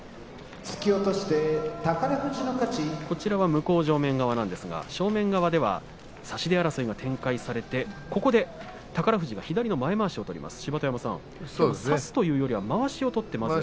向正面側ですが正面側では差し手争いが展開されて宝富士が左の前まわしを取ります、芝田山さん差すというよりかはまわしを取っています。